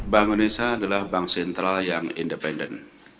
bank indonesia adalah bank sentral yang independen